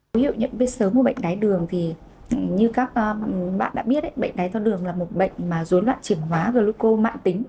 dấu hiệu nhận biết sớm của bệnh đái đường thì như các bạn đã biết bệnh đái tháo đường là một bệnh mà dốn loạn triển hóa